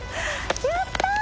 やったー。